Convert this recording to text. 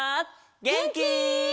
げんき？